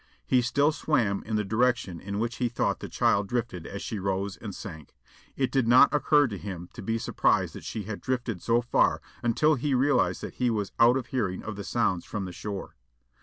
He still swam in the direction in which he thought the child drifted as she rose and sank. It did not occur to him to be surprised that she had drifted so far until he realized that he was out of hearing of the sounds from the shore.